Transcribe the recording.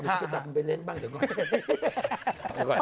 เดี๋ยวมันจะจับมันไปเล่นบ้างเดี๋ยวก่อน